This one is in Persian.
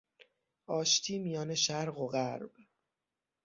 آشتی میان شرق و غرب